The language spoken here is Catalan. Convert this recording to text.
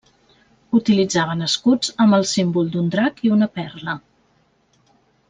Utilitzaven escuts amb el símbol d'un drac i una perla.